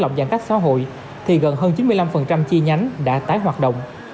trong giãn cách xã hội thì gần hơn chín mươi năm chi nhánh đã tái hoạt động